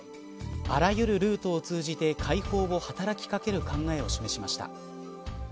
あらゆるルートを通じて解放を働きかける考えを示しました。